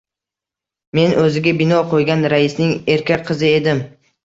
Men o`ziga bino qo`ygan, raisning erka qizi edim